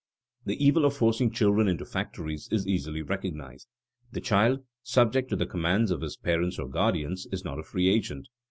The evil of forcing children into factories is easily recognized. The child, subject to the commands of his parents or guardians, is not a free agent.